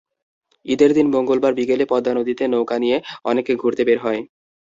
ঈদের দিন মঙ্গলবার বিকেলে পদ্মা নদীতে নৌকা নিয়ে অনেকে ঘুরতে বের হয়।